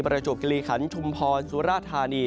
ประจวบกิริขันศ์ชุมพรสุรภรรณี